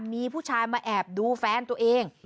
มีผู้ชายมาแอบดูแฟนตัวเอง